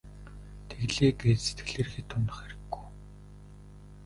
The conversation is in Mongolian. Тэглээ гээд сэтгэлээр хэт унах хэрэггүй.